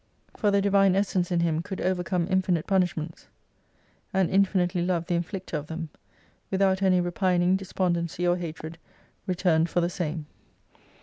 For the divine essence in Him could overcome infinite punish ments, and infinitely love the Inflicter of them : with out any repining, despondency, or hatred, returned for the same.